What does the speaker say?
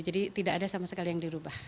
jadi tidak ada sama sekali yang dirubah